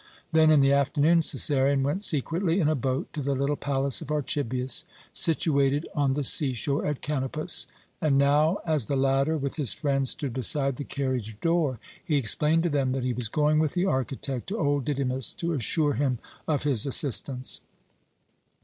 Then, in the afternoon, Cæsarion went secretly in a boat to the little palace of Archibius, situated on the seashore at Kanopus, and now as the latter, with his friend, stood beside the carriage door, he explained to them that he was going with the architect to old Didymus to assure him of his assistance.